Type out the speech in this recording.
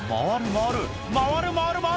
回る回る回る！